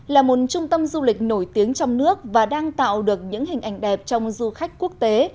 là một trung tâm du lịch nổi tiếng trong nước và đang tạo được những hình ảnh đẹp trong du khách quốc tế